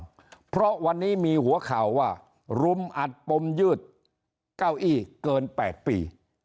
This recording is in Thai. เพราะวันนี้มีหัวข่าวว่ารุมอัดปมยืดเก้าอี้เกิน๘ปี